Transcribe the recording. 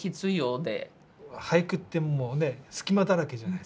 俳句ってもうね隙間だらけじゃないですか。